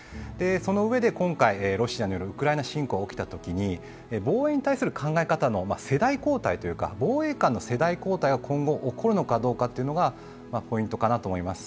そのうえで今回、ロシアによるウクライナ侵攻が起きたときに防衛に対する考え方の世代交代というか防衛観の世代交代が今後、起こるのかどうかというのがポイントかなと思います。